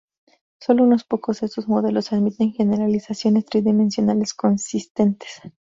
Sólo unos pocos de estos modelos admiten generalizaciones tridimensionales consistentes.